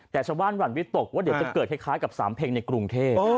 แต่ชาวบ้านหวั่นวิตกว่าเดี๋ยวจะเกิดคล้ายกับสามเพลงในกรุงเทพ